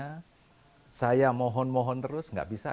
karena saya mohon mohon terus nggak bisa